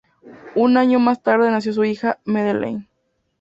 Un año más tarde nació su hija, Madeleine.